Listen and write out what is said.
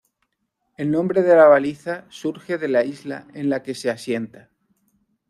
El nombre de la baliza surge de la isla en la que se asienta.